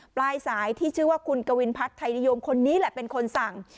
ปลายสายที่ชื่อว่าคุณกวินพัฒน์ไทยนิยมคนนี้แหละเป็นคนสั่ง